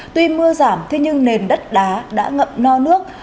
tuy mưa giảm thế nhưng nền đất đá đã ngậm no nước